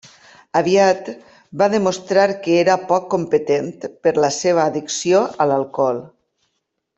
Aviat va demostrar que era poc competent per la seva addicció a l'alcohol.